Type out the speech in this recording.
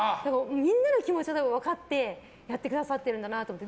みんなの気持ちが多分分かってやってくださってるんだなって。